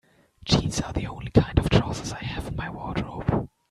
Jeans are the only kind of trousers I have in my wardrobe.